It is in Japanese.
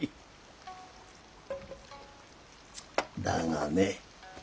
だがね